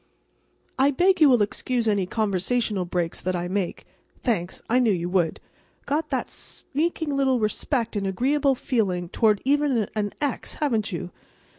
I beg you will excuse any conversational breaks that I make—thanks, I knew you would—got that sneaking little respect and agreeable feeling toward even an X, haven't you?